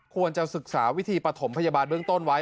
ควรจะศึกษาวิธีปฐมพยาบาลเบื้องต้นไว้